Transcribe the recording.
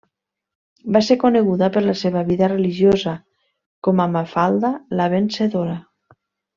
Va ser coneguda, per la seva vida religiosa, com a Mafalda la Vencedora.